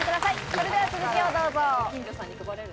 それでは続きをどうぞ。